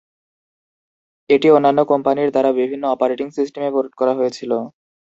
এটি অন্যান্য কোম্পানি দ্বারা বিভিন্ন অপারেটিং সিস্টেমে পোর্ট করা হয়েছিল।